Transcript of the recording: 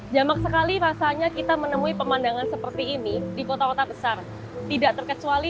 jamak sekali rasanya kita menemui pemandangan seperti ini di kota kota besar tidak terkecuali